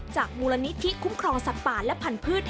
จากมูลณิธิคุ้มครองสัตว์ป่าและผันพืช